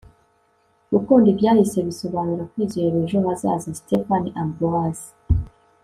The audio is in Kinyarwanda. gukunda ibyahise bisobanura kwizera ejo hazaza. - stephen ambrose